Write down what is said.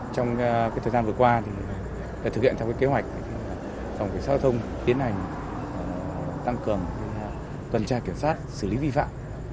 trong thời gian vừa qua đã thực hiện theo kế hoạch phòng tỉnh giao thông tiến hành tăng cường tuần tra kiểm soát xử lý vi phạm